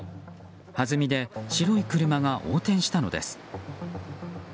はずみで白い車が横転したのです。